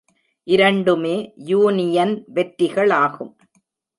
இரண்டுமே யூனியன் வெற்றிகளாகும்.